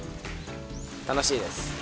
「楽しい」です。